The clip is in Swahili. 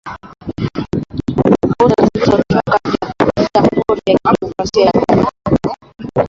fursa zilizoko jamuhuri ya kidemokrasia ya Kongo